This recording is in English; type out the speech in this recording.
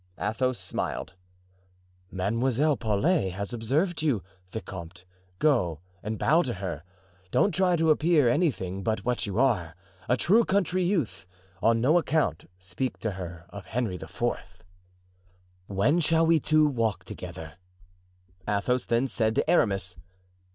Athos smiled. "Mademoiselle Paulet has observed you, vicomte; go and bow to her; don't try to appear anything but what you are, a true country youth; on no account speak to her of Henry IV." "When shall we two walk together?" Athos then said to Aramis.